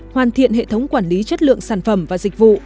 hoàn thiện hệ thống quản lý chất lượng sản phẩm và dịch vụ